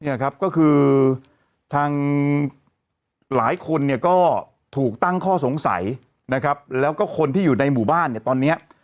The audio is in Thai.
เนี่ยครับก็คือทางหลายคนเนี่ยก็ถูกตั้งข้อสงสัยนะครับแล้วก็คนที่อยู่ในหมู่บ้านเนี่ยตอนเนี้ย